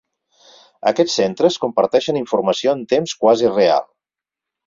Aquests centres comparteixen informació en temps quasi real.